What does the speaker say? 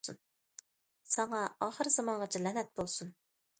ساڭا ئاخىر زامانغىچە لەنەت بولسۇن!